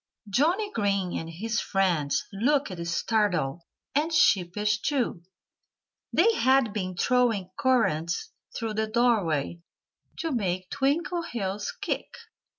Johnnie Green and his friends looked startled and sheepish, too. They had been throwing currants through the doorway, to make Twinkleheels kick.